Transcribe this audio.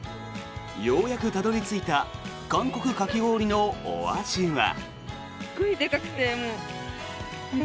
ようやくたどり着いた韓国かき氷のお味は。